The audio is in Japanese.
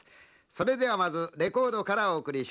それではまずレコードからお送りしましょう。